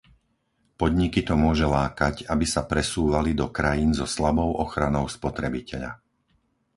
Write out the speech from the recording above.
Podniky to môže lákať, aby sa presúvali do krajín so slabou ochranou spotrebiteľa.